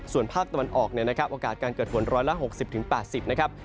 ส่วนภาพตะวันออกเนี่ยนะครับโอกาสการเกิดฝนร้อยละ๖๐๘๐